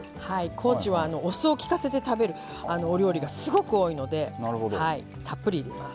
高知はお酢をきかせて食べるお料理がすごい多いのでたっぷり入れます。